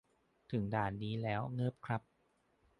ถึงด่านนี้แล้วเงิบครับ